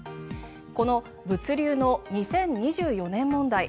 この物流の２０２４年問題。